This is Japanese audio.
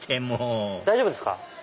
もう大丈夫ですか？